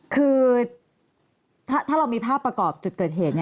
คือถ้าเรามีภาพประกอบจุดเกิดเหตุ